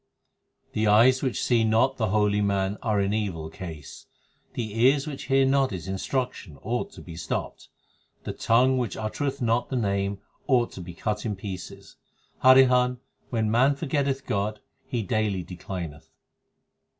14 The eyes which see not the holy man are in evil case ; The ears which hear not his instruction ought to be stopped ; The tongue which uttereth not the Name ought to be cut in pieces Harihan, when man forgetteth God, he daily declineth.